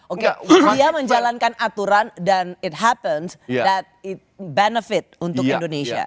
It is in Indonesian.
oke dia menjalankan aturan dan it happens that i benefit untuk indonesia